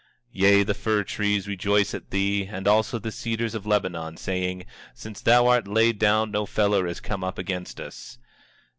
24:8 Yea, the fir trees rejoice at thee, and also the cedars of Lebanon, saying: Since thou art laid down no feller is come up against us.